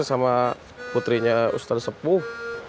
sama putrinya ustadz sepuh